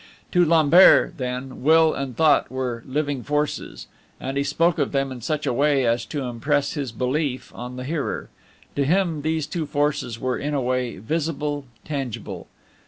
To Lambert, then, Will and Thought were living forces; and he spoke of them in such a way as to impress his belief on the hearer. To him these two forces were, in a way, visible, tangible.